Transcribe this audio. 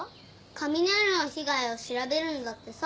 雷の被害を調べるんだってさ。